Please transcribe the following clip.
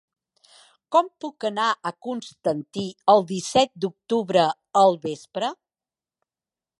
Com puc anar a Constantí el disset d'octubre al vespre?